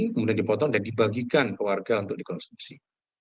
kemudian dipotong dan dibagikan ke warga untuk dikonsumsi